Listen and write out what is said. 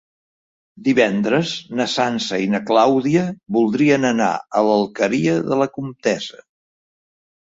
Divendres na Sança i na Clàudia voldrien anar a l'Alqueria de la Comtessa.